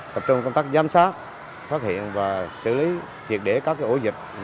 tập trung công tác giám sát phát hiện và xử lý triệt để các ổ dịch